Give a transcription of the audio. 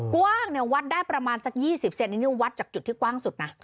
กว้างเนี่ยวัดได้ประมาณสัก๒๐เซนนี่นี่วัดจากจุดที่กว้างสุดนะ